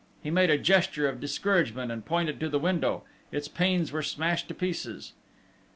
He made a gesture of discouragement and pointed to the window: its panes were smashed to pieces.